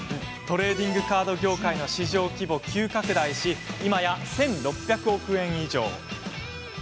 トレーディングカード業界の市場規模は急拡大し今や１６００億円以上！